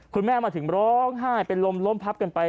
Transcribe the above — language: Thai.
คุณแม่มาถึงร้องไห้เป็นลมพับกันไป